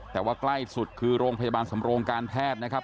แต่ว่าใกล้สุดคือโรงพยาบาลสำโรงการแพทย์นะครับ